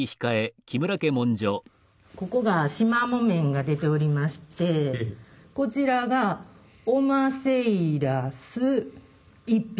ここが縞木綿が出ておりましてこちらが「おませいらす一疋」。